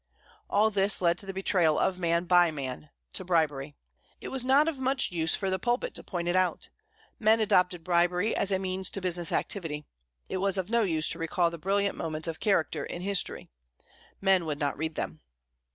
All this led to the betrayal of man by man to bribery. It was not of much use for the pulpit to point it out. Men adopted bribery as a means to business activity. It was of no use to recall the brilliant moments of character in history, men would not read them.